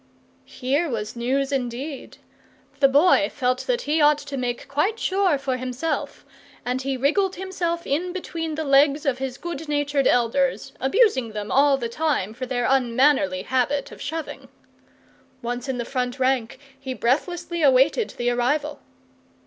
Here was news indeed! The Boy felt that he ought to make quite sure for himself, and he wriggled himself in between the legs of his good natured elders, abusing them all the time for their unmannerly habit of shoving. Once in the front rank, he breathlessly awaited the arrival.